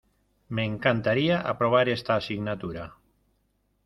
Me encantaría aprobar esta asignatura.